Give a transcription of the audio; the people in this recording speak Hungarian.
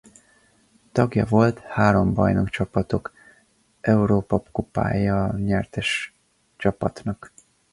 Tagja volt három bajnokcsapatok Európa-kupája nyertes csapatnak.